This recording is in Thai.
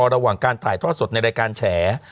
ระหว่างการถ่ายทอดสดในรายการแฉ